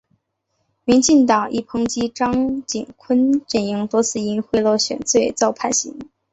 民进党亦抨击张锦昆阵营多次因贿选罪遭判刑。